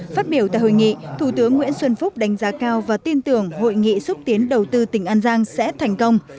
phát biểu tại hội nghị thủ tướng nguyễn xuân phúc đánh giá cao và tin tưởng hội nghị xúc tiến đầu tư tỉnh an giang sẽ thành công